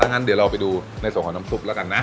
งั้นเดี๋ยวเราไปดูในส่วนของน้ำซุปแล้วกันนะ